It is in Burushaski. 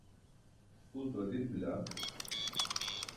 kʰuulto adit bila.